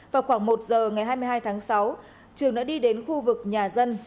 vào khoảng một giờ ngày hai mươi hai tháng sáu trường đã đi đến khu vực nhà dân